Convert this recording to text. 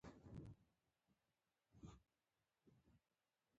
یې یو بل تن هم له قطاره و ایست.